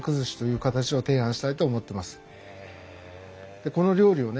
でこの料理をね